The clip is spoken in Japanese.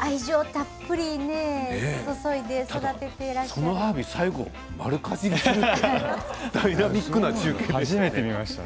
愛情たっぷり注いで育てていらっしゃるんですね。